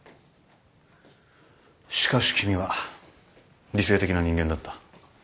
しかし君は理性的な人間だった。